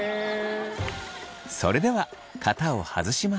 それでは型を外します。